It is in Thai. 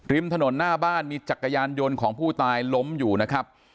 ถนนหน้าบ้านมีจักรยานยนต์ของผู้ตายล้มอยู่นะครับ